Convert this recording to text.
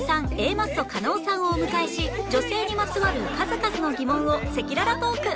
マッソ加納さんをお迎えし女性にまつわる数々の疑問を赤裸々トーク